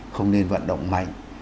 không nên vận động mạnh